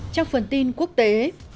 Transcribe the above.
trong phần tin quốc tế